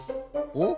おっ？